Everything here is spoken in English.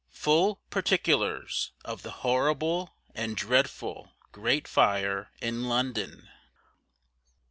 FULL PARTICULARS OF THE HORRIBLE & DREADFUL GREAT FIRE IN LONDON.